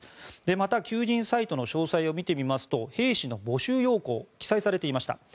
また求人サイトの詳細を見てみますと兵士の募集要項が記載されていました。